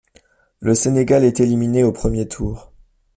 Le Sénégal est éliminé au premier tour.